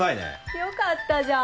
よかったじゃん。